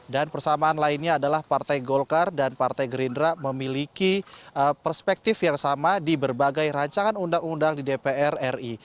dan persamaan lainnya adalah partai golkar dan partai gerindra memiliki perspektif yang sama di berbagai rancangan undang undang di dpr ri